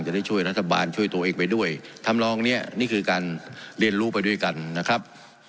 จะได้ช่วยรัฐบาลช่วยตัวเองไปด้วยทำลองเนี้ยนี่คือการเรียนรู้ไปด้วยกันนะครับ